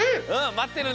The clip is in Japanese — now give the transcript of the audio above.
まってるよ！